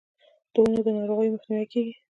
د ونو د ناروغیو مخنیوی کیږي.